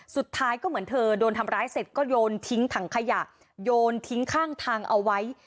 สุดท้ายก็เหมือนเธอโดนทำร้ายเสร็จก็โยนทิ้งถังขยะโยนทิ้งข้างทางเอาไว้